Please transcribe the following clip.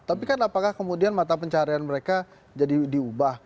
tapi kan apakah kemudian mata pencarian mereka jadi diubah